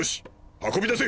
運び出せ！